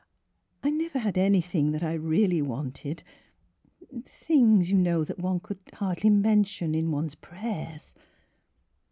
I — I never had any thing that I really wanted — things, you know, that one could hardly mention in one's prayers."